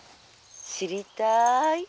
「知りたい？」。